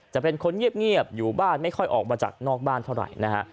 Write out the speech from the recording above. จะเป็นคนเงียบอยู่บ้านไม่ค่อยออกมาจากนอกบ้านเท่าไหร่นะฮะ